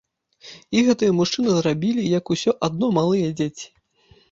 І гэтыя мужчыны зрабілі, як усё адно малыя дзеці.